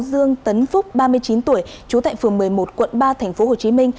dương tấn phúc ba mươi chín tuổi trú tại phường một mươi một quận ba tp hcm